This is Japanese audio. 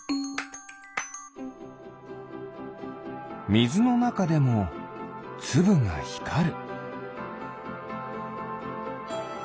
みずのなかでもつぶがひかる。